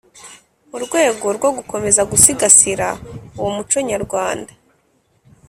Mu rwego rwo gukomeza gusigasira uwo muco nyarwanda,